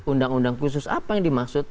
undang undang khusus apa yang dimaksud